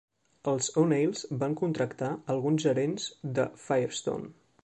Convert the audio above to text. Els O'Neils van contractar a alguns gerents de Firestone.